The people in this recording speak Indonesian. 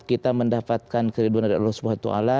kita mendapatkan keriduan dari allah swt